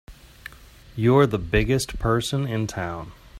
You're the biggest person in town!